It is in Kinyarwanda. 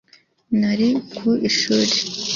nari ku ishuri